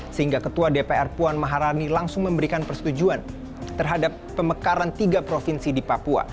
sehingga ketua dpr puan maharani langsung memberikan persetujuan terhadap pemekaran tiga provinsi di papua